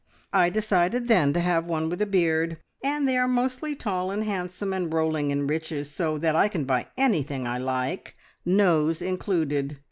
I decided then to have one with a beard. And they are mostly tall and handsome, and rolling in riches, so that I can buy anything I like, nose included.